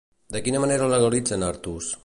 De quina manera legalitzen a Artús?